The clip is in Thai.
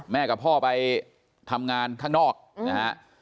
กับพ่อไปทำงานข้างนอกนะฮะ